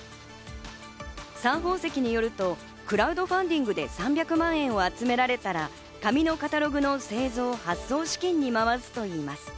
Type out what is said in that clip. サン宝石によるとクラウドファンディングで３００万円を集められたら、紙のカタログの製造・発送資金に回すといいます。